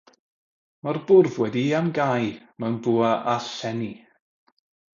Mae'r bwrdd wedi'i amgáu mewn bwa â llenni.